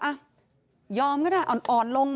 อ่ะยอมก็ได้อ่อนลง